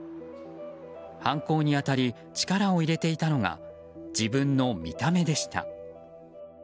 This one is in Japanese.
犯行に当たり力を入れていたのが自分の見た目でした。